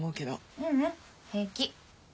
ううん平気。